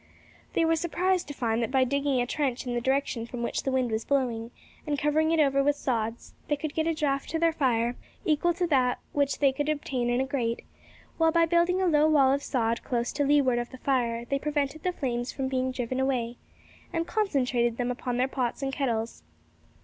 They were surprised to find that by digging a trench in the direction from which the wind was blowing, and covering it over with sods, they could get a draught to their fire equal to that which they could obtain in a grate; while by building a low wall of sod close to leeward of the fire, they prevented the flames from being driven away, and concentrated them upon their pots and kettles.